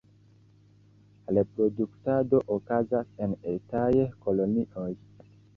Reproduktado okazas en etaj kolonioj.